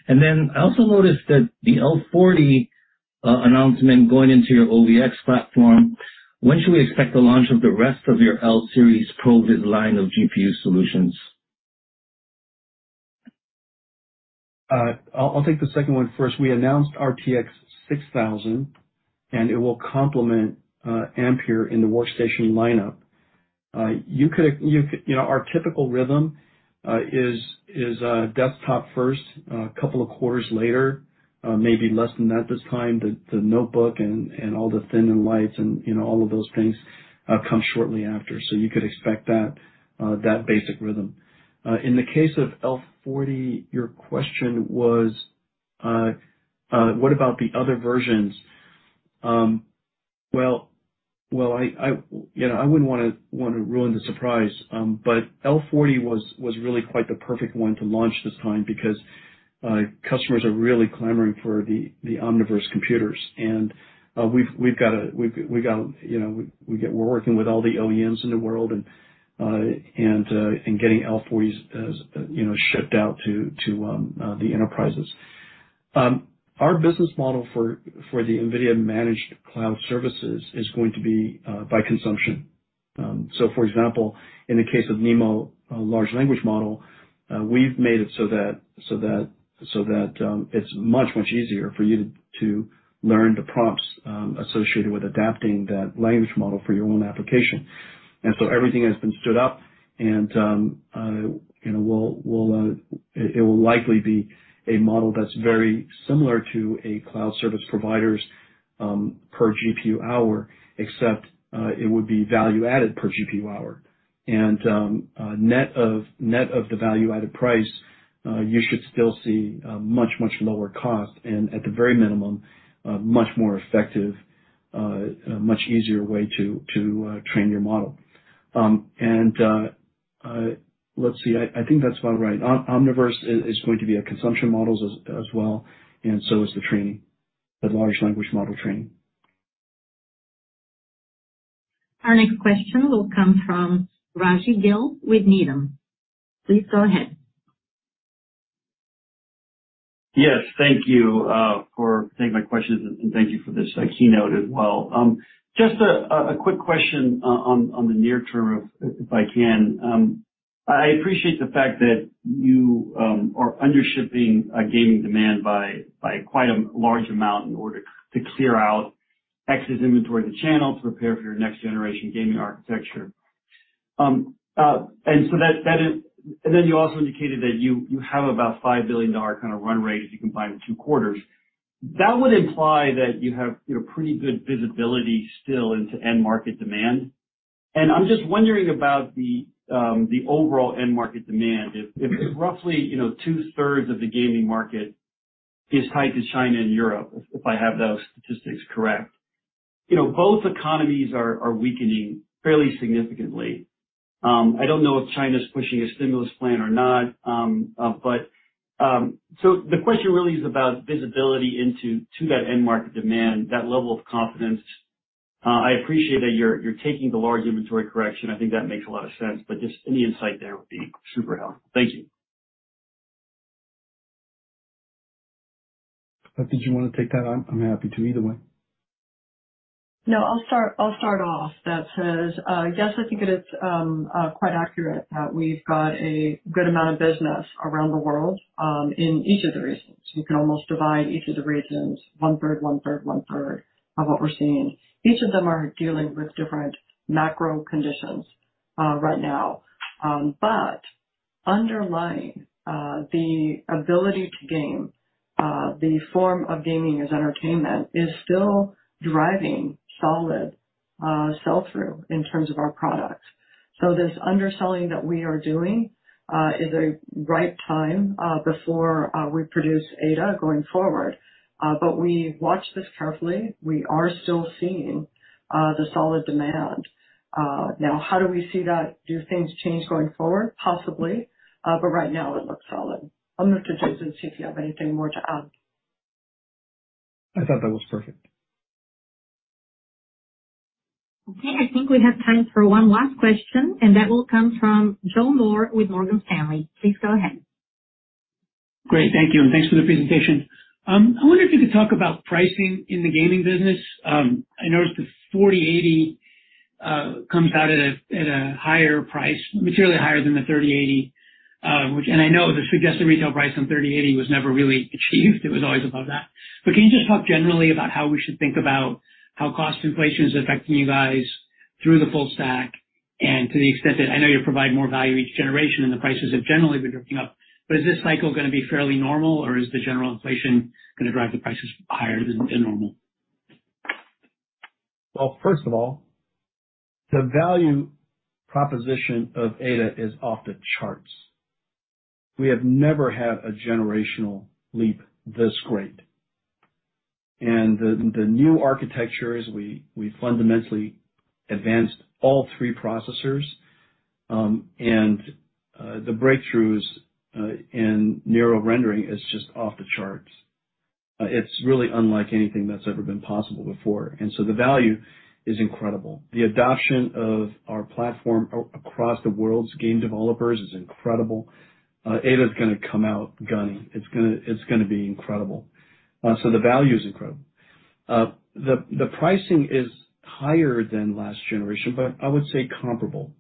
Then I also noticed that the L40 announcement going into your OVX platform. When should we expect the launch of the rest of your L-series Ada line of GPU solutions? I'll take the second one first. We announced NVIDIA RTX A6000, and it will complement Ampere in the workstation lineup. You know, our typical rhythm is desktop first. A couple of quarters later, maybe less than that this time, the notebook and all the thin and lights and, you know, all of those things come shortly after. You could expect that basic rhythm. In the case of L40S, your question was what about the other versions? You know, I wouldn't wanna ruin the surprise, but L40S was really quite the perfect one to launch this time because customers are really clamoring for the Omniverse computers. We're working with all the OEMs in the world and getting L40s, as you know, shipped out to the enterprises. Our business model for the NVIDIA managed cloud services is going to be by consumption. For example, in the case of NeMo large language model, we've made it so that it's much easier for you to learn the prompts associated with adapting that language model for your own application. Everything has been stood up and you know, it will likely be a model that's very similar to a cloud service provider's per GPU hour, except it would be value added per GPU hour. net of the value added price, you should still see much lower cost and at the very minimum, much more effective, much easier way to train your model. Let's see. I think that's about right. Omniverse is going to be a consumption model as well, and so is the training, the large language model training. Our next question will come from Raji Gill with Needham. Please go ahead. Yes. Thank you for taking my questions, and thank you for this keynote as well. Just a quick question on the near term if I can. I appreciate the fact that you are under shipping gaming demand by quite a large amount in order to clear out excess inventory in the channel to prepare for your next generation gaming architecture. So that is. Then you also indicated that you have about $5 billion kind of run rate if you combine the two quarters. That would imply that you have, you know, pretty good visibility still into end market demand. I'm just wondering about the overall end market demand if roughly two-thirds of the gaming market is tied to China and Europe, if I have those statistics correct. You know, both economies are weakening fairly significantly. I don't know if China's pushing a stimulus plan or not, but the question really is about visibility into that end market demand, that level of confidence. I appreciate that you're taking the large inventory correction. I think that makes a lot of sense, but just any insight there would be super helpful. Thank you. Did you wanna take that on? I'm happy to either way. No, I'll start off. That said, yes, I think it is quite accurate that we've got a good amount of business around the world in each of the regions. You can almost divide each of the regions one-third, one-third, one-third of what we're seeing. Each of them are dealing with different macro conditions right now. Underlying, the ability to game, the form of gaming as entertainment is still driving solid sell-through in terms of our products. This underselling that we are doing is the right time before we produce Ada going forward. We watch this carefully. We are still seeing the solid demand. Now how do we see that? Do things change going forward? Possibly. Right now it looks solid. I'm gonna throw to Jensen Huang, see if you have anything more to add. I thought that was perfect. Okay. I think we have time for one last question, and that will come from Joe Moore with Morgan Stanley. Please go ahead. Great. Thank you, and thanks for the presentation. I wonder if you could talk about pricing in the gaming business. I noticed the 4080 comes out at a higher price, materially higher than the 3080, which I know the suggested retail price on 3080 was never really achieved. It was always above that. Can you just talk generally about how we should think about how cost inflation is affecting you guys through the full stack and to the extent that I know you provide more value each generation, and the prices have generally been drifting up, but is this cycle gonna be fairly normal, or is the general inflation gonna drive the prices higher than normal? Well, first of all, the value proposition of Ada is off the charts. We have never had a generational leap this great. The new architectures, we fundamentally advanced all three processors. The breakthroughs in neural rendering is just off the charts. It's really unlike anything that's ever been possible before. The value is incredible. The adoption of our platform across the world's game developers is incredible. Ada's gonna come out gunning. It's gonna be incredible. The value is incredible. The pricing is higher than last generation, but I would say comparable.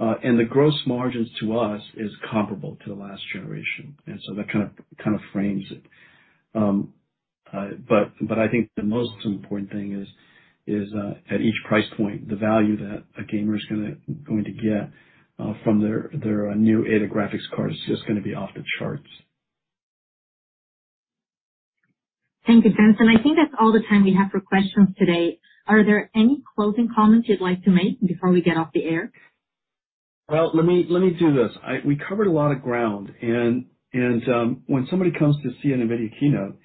The gross margins to us is comparable to the last generation. That kind of frames it. I think the most important thing is at each price point, the value that a gamer is going to get from their new Ada graphics card is just going to be off the charts. Thank you, Jensen. I think that's all the time we have for questions today. Are there any closing comments you'd like to make before we get off the air? Well, let me do this. We covered a lot of ground and when somebody comes to see an NVIDIA keynote,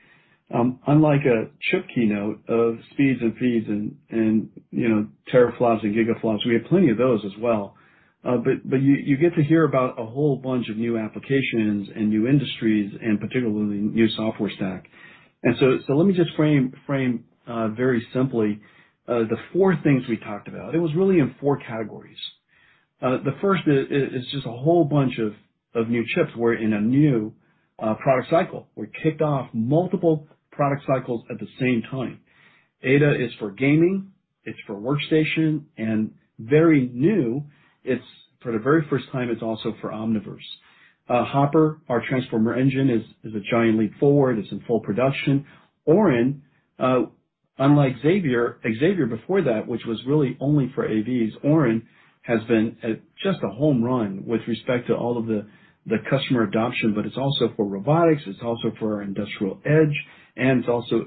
unlike a chip keynote of speeds and feeds and, you know, teraflops and gigaflops, we have plenty of those as well. But you get to hear about a whole bunch of new applications and new industries and particularly new software stack. Let me just frame very simply the four things we talked about. It was really in four categories. The first is just a whole bunch of new chips. We're in a new product cycle. We kicked off multiple product cycles at the same time. Ada is for gaming, it's for workstation, and very new, it's for the very first time, it's also for Omniverse. Hopper, our Transformer Engine is a giant leap forward. It's in full production. Orin, unlike Xavier before that, which was really only for AVs, has been just a home run with respect to all of the customer adoption, but it's also for robotics. It's also for our industrial edge, and it's also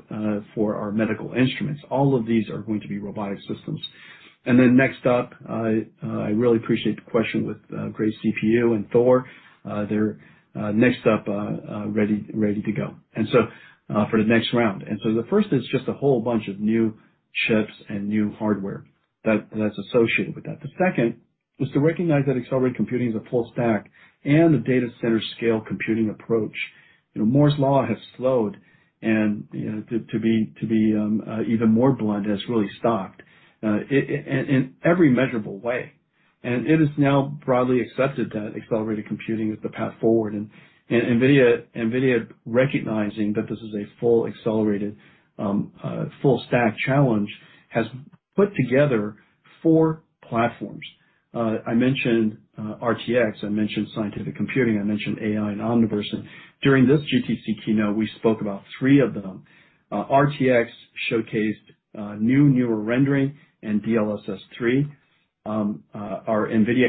for our medical instruments. All of these are going to be robotic systems. Next up, I really appreciate the question with Grace CPU and Thor. They're next up, ready to go. For the next round. The first is just a whole bunch of new chips and new hardware that's associated with that. The second is to recognize that accelerated computing is a full stack and a data center scale computing approach. You know, Moore's Law has slowed and, you know, to be even more blunt, has really stopped in every measurable way. It is now broadly accepted that accelerated computing is the path forward. NVIDIA, recognizing that this is a full accelerated full stack challenge, has put together four platforms. I mentioned RTX, I mentioned scientific computing, I mentioned AI and Omniverse. During this GTC keynote, we spoke about three of them. RTX showcased new neural rendering and DLSS 3. Our NVIDIA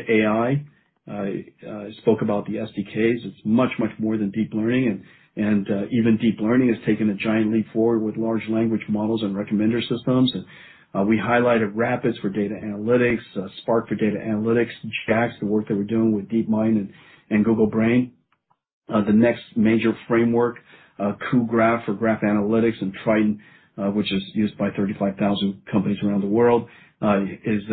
AI spoke about the SDKs. It's much, much more than deep learning. Even deep learning has taken a giant leap forward with large language models and recommender systems. We highlighted RAPIDS for data analytics, Spark for data analytics, JAX, the work that we're doing with DeepMind and Google Brain. The next major framework, cuGraph for graph analytics and Triton, which is used by 35,000 companies around the world, is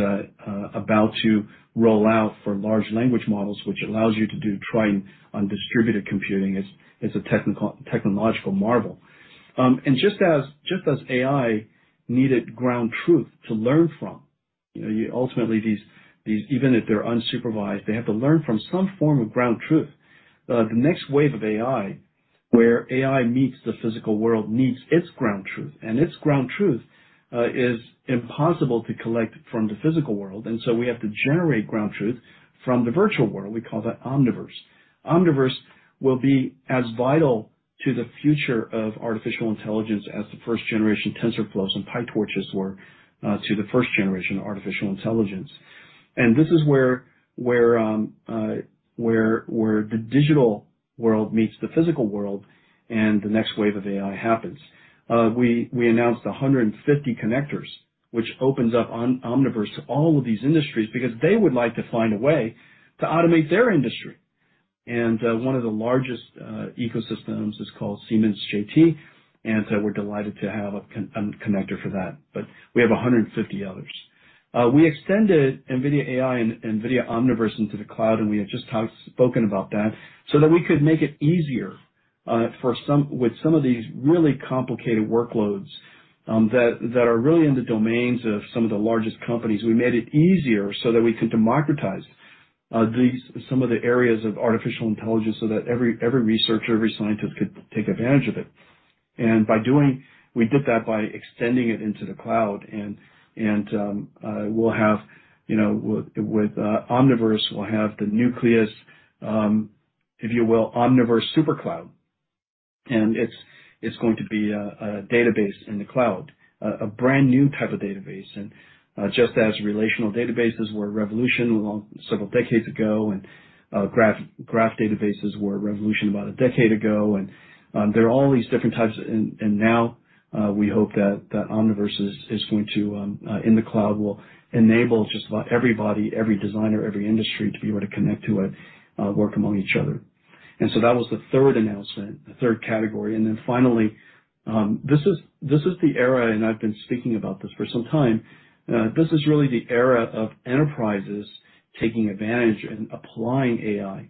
about to roll out for large language models, which allows you to do training on distributed computing. It's a technological marvel. Just as AI needed ground truth to learn from, you know, ultimately these even if they're unsupervised, they have to learn from some form of ground truth. The next wave of AI, where AI meets the physical world, needs its ground truth. Its ground truth is impossible to collect from the physical world, and so we have to generate ground truth from the virtual world. We call that Omniverse. Omniverse will be as vital to the future of artificial intelligence as the first generation TensorFlow and PyTorch were to the first generation of artificial intelligence. This is where the digital world meets the physical world and the next wave of AI happens. We announced 150 connectors, which opens up Omniverse to all of these industries because they would like to find a way to automate their industry. One of the largest ecosystems is called Siemens JT, and so we're delighted to have a connector for that. But we have 150 others. We extended NVIDIA AI and NVIDIA Omniverse into the cloud, and we have just spoken about that, so that we could make it easier with some of these really complicated workloads that are really in the domains of some of the largest companies. We made it easier so that we could democratize these some of the areas of artificial intelligence so that every researcher, every scientist could take advantage of it. We did that by extending it into the cloud, and we'll have, you know, with Omniverse, we'll have the Nucleus, if you will, Omniverse super cloud. It's going to be a database in the cloud, a brand-new type of database. Just as relational databases were a revolution a long several decades ago, graph databases were a revolution about a decade ago, there are all these different types. Now we hope that Omniverse in the cloud will enable just about everybody, every designer, every industry to be able to connect to it, work among each other. That was the third announcement, the third category. Finally, this is the era, and I've been speaking about this for some time, this is really the era of enterprises taking advantage and applying AI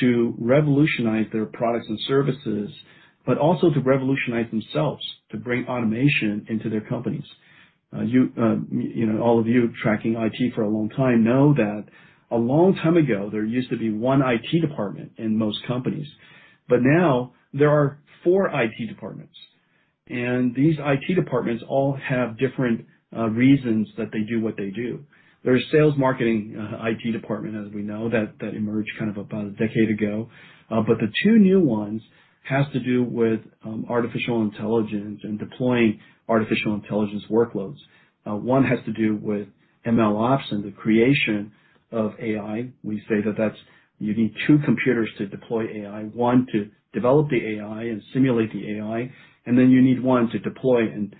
to revolutionize their products and services, but also to revolutionize themselves, to bring automation into their companies. You know, all of you tracking IT for a long time know that a long time ago, there used to be one IT department in most companies. Now there are four IT departments, and these IT departments all have different reasons that they do what they do. There's sales marketing IT department, as we know, that emerged kind of about a decade ago. The two new ones has to do with artificial intelligence and deploying artificial intelligence workloads. One has to do with MLOps and the creation of AI. We say that that's you need two computers to deploy AI. One to develop the AI and simulate the AI, and then you need one to deploy and.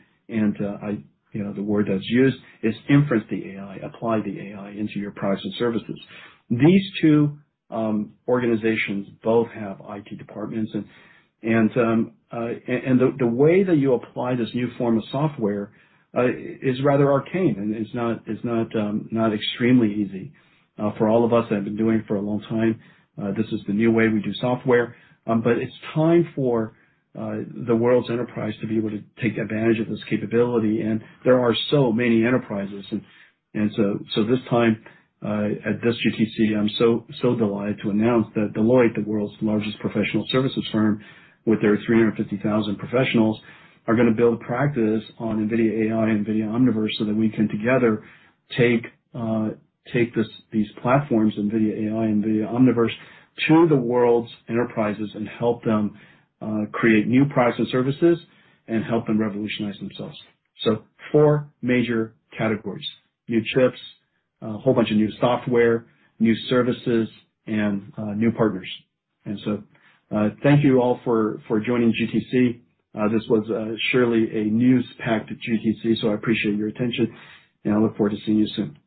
You know, the word that's used is inference the AI, apply the AI into your products and services. These two organizations both have IT departments and the way that you apply this new form of software is rather arcane and is not extremely easy. For all of us that have been doing it for a long time, this is the new way we do software. It's time for the world's enterprise to be able to take advantage of this capability, and there are so many enterprises. This time, at this GTC, I'm delighted to announce that Deloitte, the world's largest professional services firm, with their 350,000 professionals, are gonna build practice on NVIDIA AI, NVIDIA Omniverse, so that we can together take these platforms, NVIDIA AI, NVIDIA Omniverse, to the world's enterprises and help them create new products and services and help them revolutionize themselves. Four major categories, new chips, a whole bunch of new software, new services, and new partners. Thank you all for joining GTC. This was surely a news-packed GTC, I appreciate your attention, and I look forward to seeing you soon.